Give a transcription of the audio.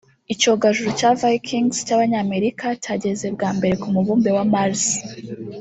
Icyogajuru cya Vikings cy’abanyamerika cyageze bwa mbere ku mubumbe wa Mars